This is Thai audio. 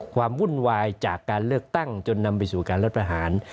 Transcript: วุ่นวายจากการเลือกตั้งจนนำไปสู่การลดประหาร